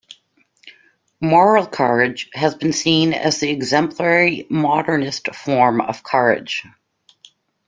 Moral courage has been seen as the exemplary modernist form of courage.